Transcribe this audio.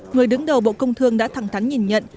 người đứng đầu bộ công thương đã thẳng thắn nhìn nhận